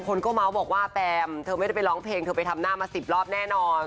คนก็เมาส์บอกว่าแตมเธอไม่ได้ไปร้องเพลงเธอไปทำหน้ามา๑๐รอบแน่นอน